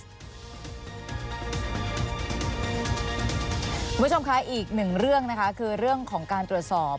คุณผู้ชมคะอีกหนึ่งเรื่องนะคะคือเรื่องของการตรวจสอบ